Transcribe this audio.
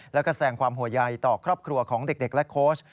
แล้วก็แสดงความห่วงใยต่อครอบครัวของเด็กและโค้ช